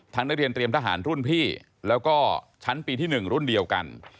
นักเรียนเตรียมทหารรุ่นพี่แล้วก็ชั้นปีที่๑รุ่นเดียวกัน